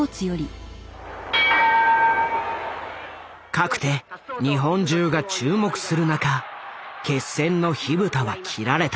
かくて日本中が注目する中決戦の火蓋は切られた。